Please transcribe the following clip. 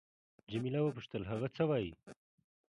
جميله وپوښتل: هغه څه وایي؟